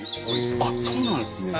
あっそうなんですね。